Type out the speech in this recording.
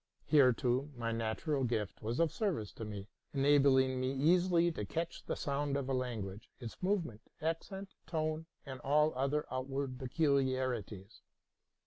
Here, too, my natural gift was of service to me; enabling me easily to catch the sound of a language, its movement, accent, tone, and all other outward peculiarities.